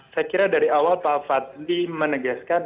saya kira dari awal pak fadli menegaskan